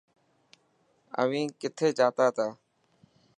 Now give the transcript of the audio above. اوهين ڪٿي جاتا تا.